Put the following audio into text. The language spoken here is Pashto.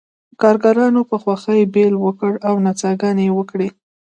کارګرانو په خوښۍ پیل وکړ او نڅاګانې یې وکړې